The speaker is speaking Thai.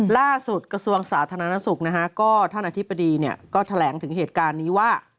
กระทรวงสาธารณสุขนะฮะก็ท่านอธิบดีก็แถลงถึงเหตุการณ์นี้ว่า